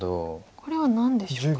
これは何でしょうか。